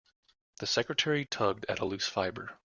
The secretary tugged at a loose fibre.